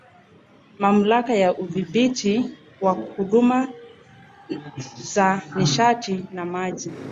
Mamlaka ya Udhibiti wa Huduma za Nishati na Maji